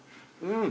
うん！